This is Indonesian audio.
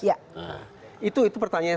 ya itu pertanyaan yang